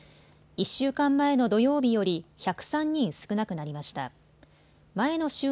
１週間前の土曜日より１０３人少なくなりました。